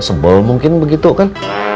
sebel mungkin begitu kan